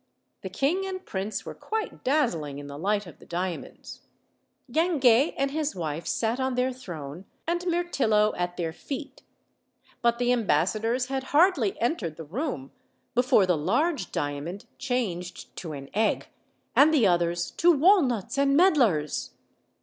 The king and prince were quite dazzling in the light of the diamonds. Guin guet and his wife sat on their throne, and Mirtillo at their feet. But the ambassadors had hardly entered the room before the large diamond changed to an egg, and the others to walnuts and medlars.